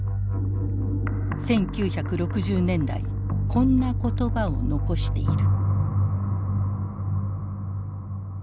１９６０年代こんな言葉を残している。